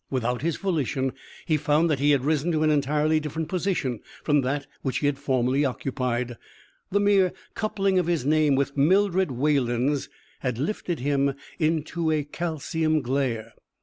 Without his volition he found that he had risen to an entirely different position from that which he had formerly occupied; the mere coupling of his name with Mildred Wayland's had lifted him into a calcium glare.